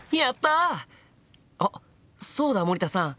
あっそうだ森田さん。